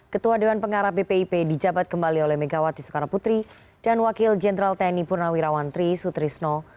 ketua dewan pengarah bpip dijabat kembali oleh megawati soekarno putri dan wakil jenderal tni purnawirawan tri sutrisno